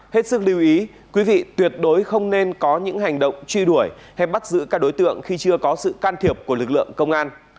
hết sức lưu ý quý vị tuyệt đối không nên có những hành động truy đuổi hay bắt giữ các đối tượng khi chưa có sự can thiệp của lực lượng công an